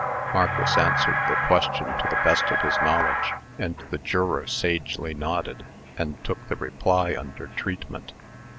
Marcus answered the question to the best of his knowledge, and the juror sagely nodded, and took the reply under treatment.